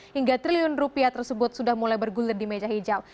hingga triliun rupiah tersebut sudah mulai bergulir di meja hijau